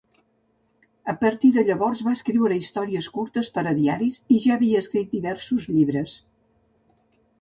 A partir de llavors, va escriure històries curtes per a diaris, i ja havia escrit diversos llibres.